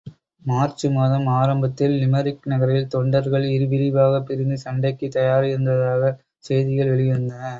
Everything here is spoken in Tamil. மார்ச் மாதம் ஆரம்பத்தில் லிமெரிக் நகரில் தொண்டர்கள் இருபிரிவாகப் பிரிந்து சண்டைக்குத் தயாராயிருந்ததாகச் செய்திகள் வெளிவந்தன.